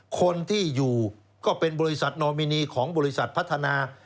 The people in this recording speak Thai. คนที่อยู่ก็เป็นบริษัทนอมินีของบริษัทพัฒนา